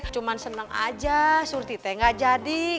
cuma senang aja surti enggak jadi